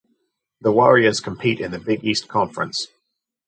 The Warriors compete in the Big East Conference.